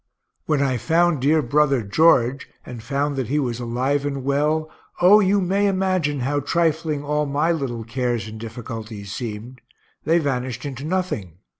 When I found dear brother George, and found that he was alive and well, O you may imagine how trifling all my little cares and difficulties seemed they vanished into nothing.